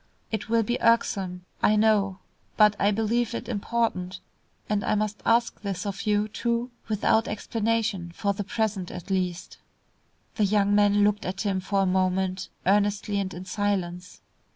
It will be irksome, I know, but I believe it important, and I must ask this of you, too, without explanation, for the present at least." The young man looked at him for a moment, earnestly and in silence.